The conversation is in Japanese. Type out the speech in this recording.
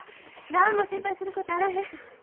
何も心配することあらへん。